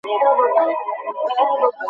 আমরা ওকে মেরেছি।